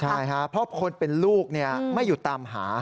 ใช่ครับเพราะคนเป็นลูกไม่หยุดตามหา